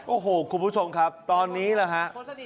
โอ้โหคุณผู้ชมครับตอนนี้แหละฮะ